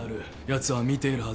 やつは見ているはずだ。